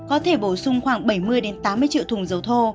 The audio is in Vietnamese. có thể bổ sung khoảng bảy mươi tám mươi triệu thùng dầu thô